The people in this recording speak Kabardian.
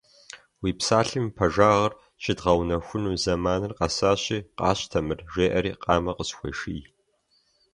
Уи псалъэм и пэжагъыр щыдгъэунэхуну зэманыр къэсащи, къащтэ мыр, — жеӀэри, къамэ къысхуеший.